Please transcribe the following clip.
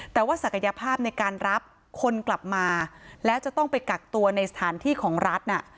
แต่ว่าศักยภาพในการรับคนกลับมาแล้วจะต้องไปกักตัวในสถานที่ของรัฐน่ะ